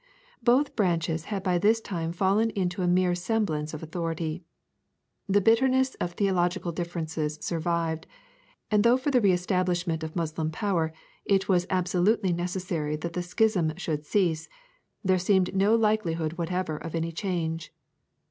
Both branches had by this time fallen into a mere semblance of authority. The bitterness of theological differences survived, and though for the re establishment of Moslem power, it was absolutely necessary that the schism should cease, there seemed no likelihood whatever of any change.